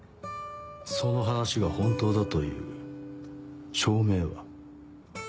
その話が本当だという証明は？